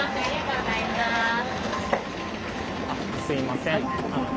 すみません。